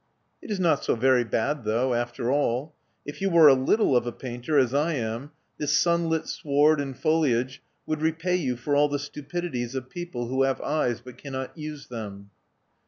*'It is not so very bad, though, after all. If you were a little of a painter, as I am, this sunlit sward and foliage would repay you for all the stupidities of people who have eyes, but cannot use them."